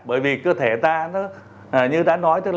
bởi vì cơ thể ta như ta nói